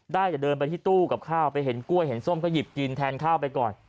ได้แต่เดินไปที่ตู้กับข้าวไปเห็นกล้วยเห็นส้มก็หยิบกินแทนข้าวไปก่อน